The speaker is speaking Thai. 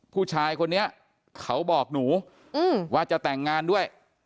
ผู้ชายคนนี้เขาบอกหนูว่าจะแต่งงานด้วย